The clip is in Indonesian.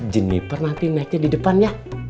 jenniper nanti naiknya di depannya